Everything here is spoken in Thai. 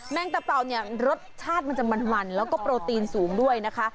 งตะเปล่าเนี่ยรสชาติมันจะมันแล้วก็โปรตีนสูงด้วยนะคะ